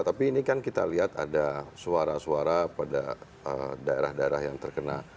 tapi ini kan kita lihat ada suara suara pada daerah daerah yang terkena